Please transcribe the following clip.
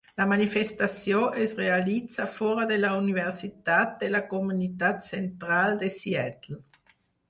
La Manifestació es realitza fora de la Universitat de la comunitat central de Seattle.